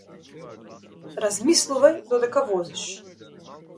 Размислувај додека возиш.